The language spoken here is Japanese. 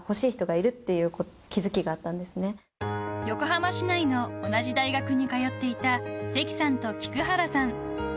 ［横浜市内の同じ大学に通っていた関さんと菊原さん］